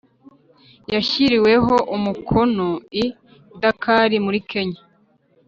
yashyiriweho umukono I Dakar muri kenya